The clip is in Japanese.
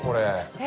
え？